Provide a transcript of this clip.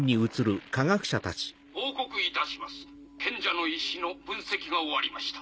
報告いたします賢者の石の分析が終わりました。